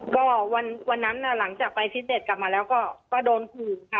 ก็วันนั้นหลังจากไปฟิตเน็ตกลับมาแล้วก็โดนขู่ค่ะ